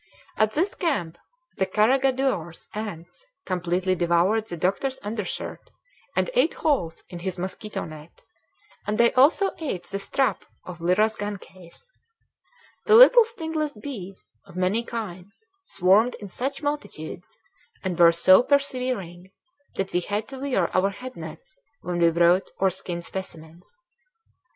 At this camp the carregadores ants completely devoured the doctor's undershirt, and ate holes in his mosquito net; and they also ate the strap of Lyra's gun case. The little stingless bees, of many kinds, swarmed in such multitudes, and were so persevering, that we had to wear our head nets when we wrote or skinned specimens.